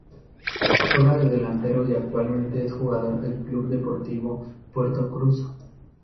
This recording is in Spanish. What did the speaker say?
Juega de delantero y actualmente es jugador del Club Deportivo Puerto Cruz.